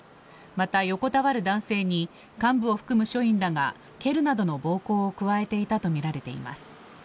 また、横たわる男性に幹部を含む署員らが蹴るなどの暴行を加えていたとみられています。